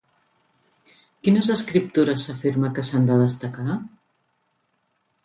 Quines escriptures s'afirma que s'han de destacar?